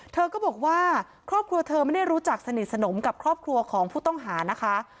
เธอก็บอกว่าครอบครัวเธอไม่ได้รู้จักสนิทสนมกับครอบครัวของผู้ต้องหานะคะ